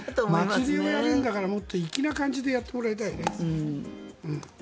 祭りをやるんだからもっと粋な感じでやってもらいたいよね。